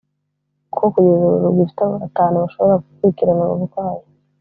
kuko kugeza ubu rugifite batanu gusa bashobora gukurikirana umurwayi